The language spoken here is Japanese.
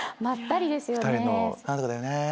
まったりですよね。